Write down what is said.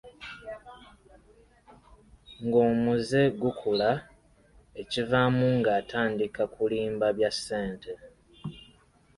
Ng'omuze gukula, ekivaamu ng'atandika kulimba bya ssente.